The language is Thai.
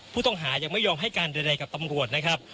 ผู้ต้องหายังไม่ยอมให้การใดกับตำรวจนะครับ